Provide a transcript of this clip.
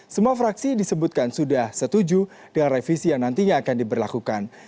semua fraksi disebutkan sudah setuju dengan revisi yang nantinya akan diberlakukan